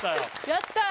やったー